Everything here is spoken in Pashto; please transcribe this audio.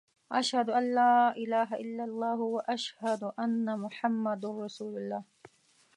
اشهد ان لا اله الا الله و اشهد ان محمد رسول الله.